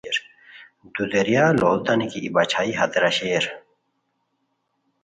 دودیریار لوڑیتانی کی ای باچھائی ہتیرا شیر